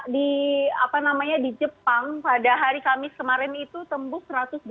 di apa namanya di jepang pada hari kamis kemarin itu tembus seratus